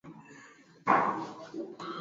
sijala tangu jana